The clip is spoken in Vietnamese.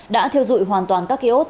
đã thiêu dụi hoàn toàn các kiosk